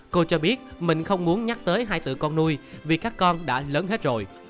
cô cho biết mình không muốn nhắc tới hai tự con nuôi vì các con đã lớn hết rồi